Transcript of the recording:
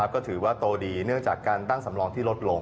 ก็ถือว่าโตดีเนื่องจากการตั้งสำรองที่ลดลง